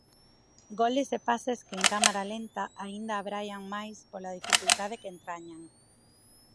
Goles e pases que en cámara lenta aínda abraian máis pola dificultade que entrañan.